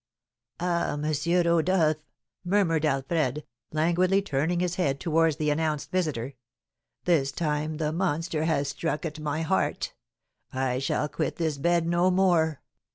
"Ah, M. Rodolph," murmured Alfred, languidly turning his head towards the announced visitor, "this time the monster has struck at my heart; I shall quit this bed no more.